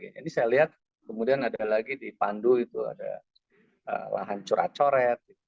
ini saya lihat kemudian ada lagi di pandu itu ada lahan curat coret